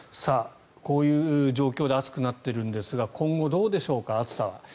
こういう状況で暑くなっているんですが今後、どうでしょうか、暑さは。